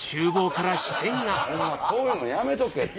そういうのやめとけって！